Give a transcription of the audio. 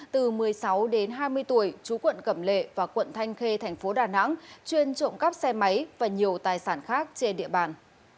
từ một mươi sáu đến hai mươi tuổi chú quận cẩm lệ và quận thanh khê thành phố đà nẵng chuyên trộm cắp xe máy và nhiều tài sản khác trên địa bàn